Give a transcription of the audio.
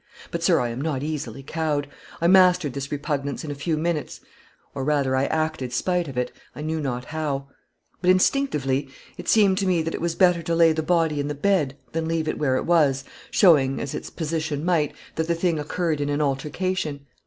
But, sir, I am not easily cowed I mastered this repugnance in a few minutes or, rather, I acted spite of it, I knew not how; but instinctively it seemed to me that it was better to lay the body in the bed, than leave it where it was, shewing, as its position might, that the thing occurred in an altercation.